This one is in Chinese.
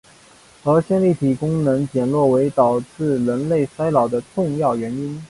而线粒体功能减弱为导致人类衰老的重要因素。